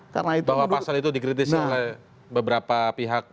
bahwa pasal itu dikritisi oleh beberapa pihak